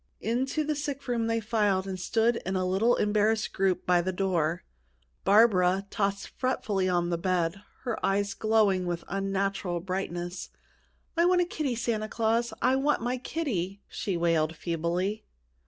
Into the sick room they filed and stood in a little embarrassed group by the door. Barbara tossed fretfully on the bed, her eyes glowing with unnatural brightness. "I want a kitty, Santa Claus! I want my kitty!" she wailed feebly.